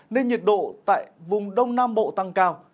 nên nhiệt độ tại vùng đông nam bộ tăng cao